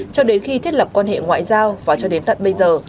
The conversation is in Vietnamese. cho đến khi thiết lập quan hệ ngoại giao và cho đến tận bây giờ